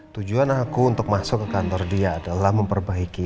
tujuan aku untuk masuk ke kantor dia adalah memperbaiki